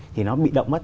thì nó bị động mất